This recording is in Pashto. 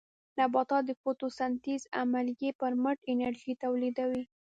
نباتات د فوټوسنټیز عملیې پر مټ انرژي تولیدوي